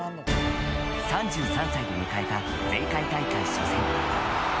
３３歳で迎えた前回大会初戦。